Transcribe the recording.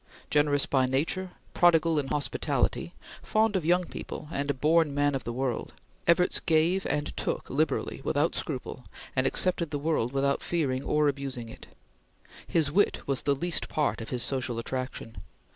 Generous by nature, prodigal in hospitality, fond of young people, and a born man of the world, Evarts gave and took liberally, without scruple, and accepted the world without fearing or abusing it. His wit was the least part of his social attraction.